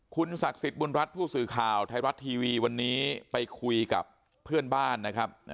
คุณศักดิ์สิทธิ์บุญรัฐผู้สื่อข่าวไทยรัฐทีวีวันนี้ไปคุยกับเพื่อนบ้านนะครับ